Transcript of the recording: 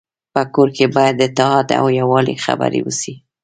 په کور کي باید د اتحاد او يووالي خبري وسي.